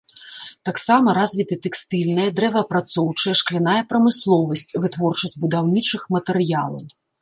Таксама развіты тэкстыльная, дрэваапрацоўчая, шкляная прамысловасць, вытворчасць будаўнічых матэрыялаў.